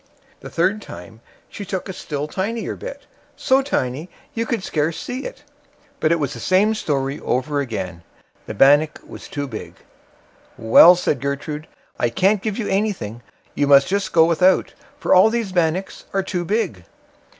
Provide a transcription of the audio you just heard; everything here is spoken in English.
The third time she took a still tinier bit—so tiny you could scarce see it; but it was the same story over again—the bannock was too big. "Well", said Gertrude, "I can't give you anything; you must just go without, for all these bannocks are too big."